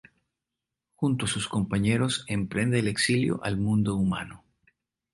Junto a sus compañeros, emprende el exilio al mundo humano.